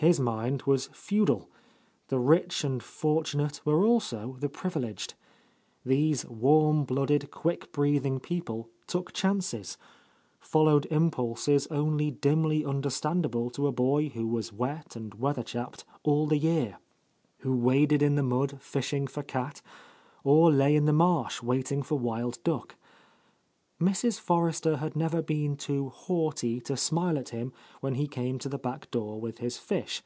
His mind was feudal; the rich and fortunate were also the privileged. These warm blooded, quick breathing people took chances, — followed impulses only dimly understandable to a boy who was wet and weather chapped all the year; who waded in the mud fishing for cat, or lay in the marsh waiting for wild duck. Mrs. Forrester had never been too haughty to smile at him when he came to the back door with his fish.